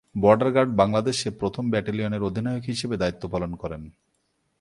Border guard বাংলাদেশে প্রথম ব্যাটালিয়নের অধিনায়ক হিসাবে দায়িত্ব পালন করেন।